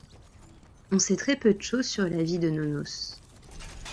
On sait très peu de choses sur la vie de Nonnos.